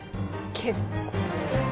結構。